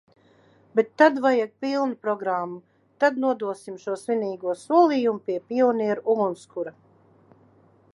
Bet tad vajag pilnu programmu: tad nodosim šo svinīgo solījumu pie pionieru ugunskura!